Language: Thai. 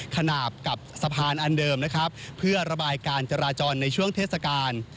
ขนาดกับสะพานอันเดิมนะครับเพื่อระบายการจราจรในช่วงเทศกาล